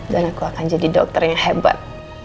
dan aku akan jadi dokter yang hebat